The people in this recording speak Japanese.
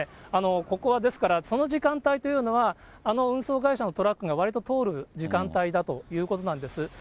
ここは、ですからその時間帯というのは、あの運送会社のトラックがわりと通る時間帯だということなんです。